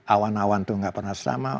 awan awan itu nggak pernah sama